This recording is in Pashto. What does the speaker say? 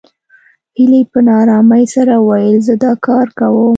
هيلې په نا آرامۍ سره وويل زه دا کار کوم